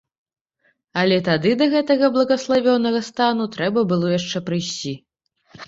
Але тады да гэтага благаславёнага стану трэба было яшчэ прыйсці.